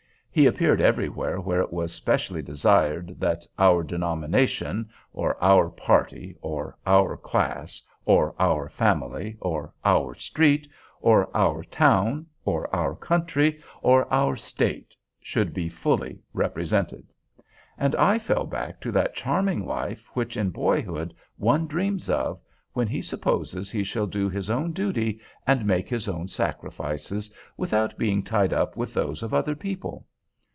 He appeared everywhere where it was specially desirable that "our denomination," or "our party," or "our class," or "our family," or "our street," or "our town," or "our country," or "our state," should be fully represented. And I fell back to that charming life which in boyhood one dreams of, when he supposes he shall do his own duty and make his own sacrifices, without being tied up with those of other people.